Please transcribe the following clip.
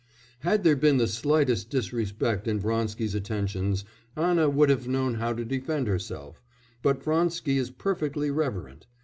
Had there been the slightest disrespect in Vronsky's attentions, Anna would have known how to defend herself, but Vronsky is perfectly reverent.